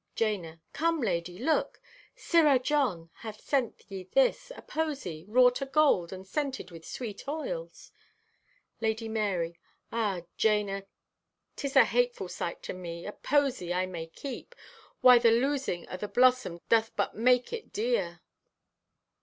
(Jana) "Come, lady, look! Sirrah John hath sent ye this, a posey, wrought o' gold and scented with sweet oils." (Lady Marye) "Ah, Jana, 'tis a hateful sight to me—a posey I may keep! Why, the losing o' the blossom doth but make it dear!